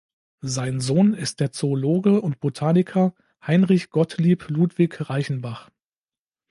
Sein Sohn ist der Zoologe und Botaniker Heinrich Gottlieb Ludwig Reichenbach.